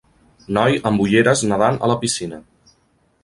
Noi amb ulleres nedant a la piscina.